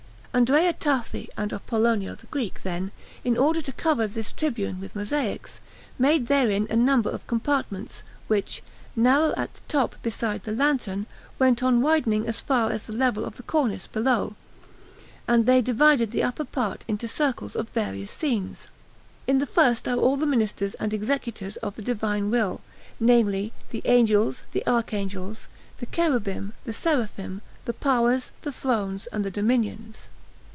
Andrea Tafi and Apollonio the Greek, then, in order to cover this tribune with mosaics, made therein a number of compartments, which, narrow at the top beside the lantern, went on widening as far as the level of the cornice below; and they divided the upper part into circles of various scenes. In the first are all the ministers and executors of the Divine Will, namely, the Angels, the Archangels, the Cherubim, the Seraphim, the Powers, the Thrones, and the Dominions.